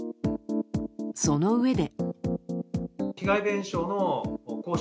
そのうえで。